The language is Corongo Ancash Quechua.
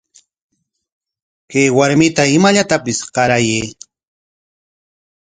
Kay warmita imallatapis qarayuy.